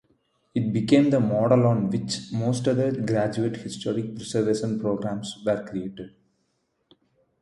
It became the model on which most other graduate historic preservation programs were created.